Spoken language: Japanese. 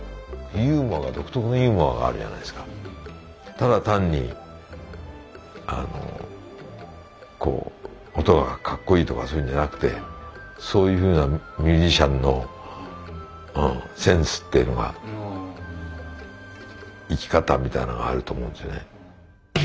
ただ単にこう音が格好いいとかそういうんじゃなくてそういうふうなミュージシャンのセンスっていうのが生き方みたいのがあると思うんですよね。